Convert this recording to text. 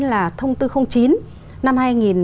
là thông tư chín năm hai nghìn một mươi